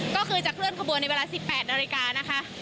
ก็คือจะเคลื่อนขบวนในเวลา๑๘นาฬิกานะคะ